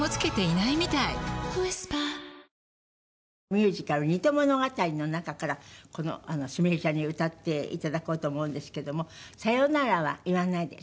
ミュージカル『ニ都物語』の中からこのすみれちゃんに歌って頂こうと思うんですけども『さよならは言わないで』。